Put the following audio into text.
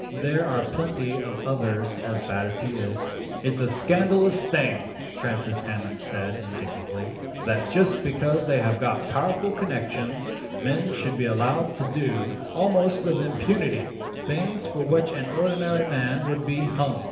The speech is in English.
There are plenty of others as bad as he is." "It's a scandalous thing," Francis Hammond said indignantly, "that, just because they have got powerful connections, men should be allowed to do, almost with impunity, things for which an ordinary man would be hung.